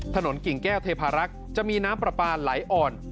กิ่งแก้วเทพารักษ์จะมีน้ำปลาปลาไหลอ่อน